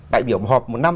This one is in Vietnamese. đại biểu họp một năm